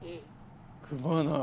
組まない！